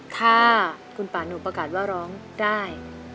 ถ้าคุณป่าหนูประกาศว่าร้องได้